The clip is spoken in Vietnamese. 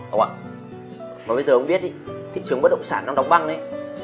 ông ạ mà bây giờ ông biết ý thị trường bất động sản nó đóng băng đấy